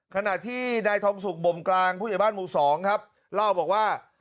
ขณะที่นายทองสุกบมกลางผู้ใหญ่บ้านหมู่สองครับเล่าบอกว่า